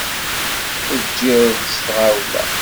Tejjiḍ s tɣawla.